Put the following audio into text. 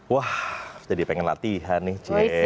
wah jadi pengen latihan nih